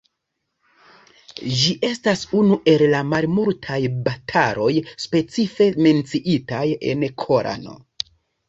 Ĝi estas unu el la malmultaj bataloj specife menciataj en Korano.